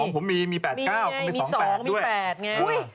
อ๋อผมมีมี๘๙ผมมี๒๘ด้วยมี๒มี๘ไง